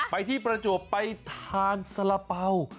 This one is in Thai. ไปที่ประจวบไปทานสละเป๋า